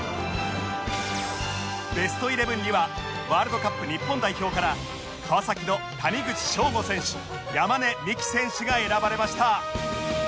ベストイレブンにはワールドカップ日本代表から川崎の谷口彰悟選手山根視来選手が選ばれました